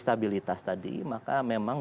stabilitas tadi maka memang